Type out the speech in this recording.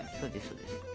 そうです。